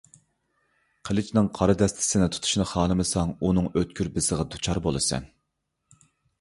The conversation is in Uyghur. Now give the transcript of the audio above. قىلىچنىڭ قارا دەستىسىنى تۇتۇشنى خالىمىساڭ، ئۇنىڭ ئۆتكۈر بىسىغا دۇچار بولىسەن!